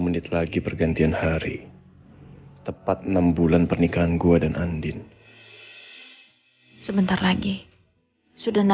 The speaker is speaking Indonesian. menit lagi pergantian hari tepat enam bulan pernikahan gua dan andin sebentar lagi sudah